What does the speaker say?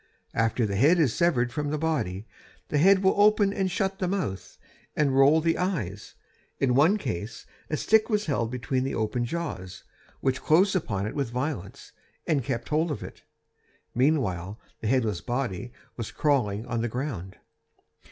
After the head is severed from the body the head will open and shut the mouth and roll the eyes. In one case a stick was held between the open jaws, which closed upon it with violence, and kept hold of it. Meanwhile the headless body was crawling on the ground.